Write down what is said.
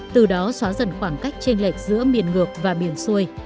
từ đó xóa dần khoảng cách trên lệch giữa miền ngược và miền xuôi